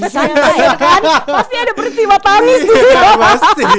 santai kan pasti ada bertimah tamis gitu